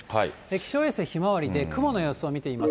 気象衛星ひまわりで、雲の様子を見てみます。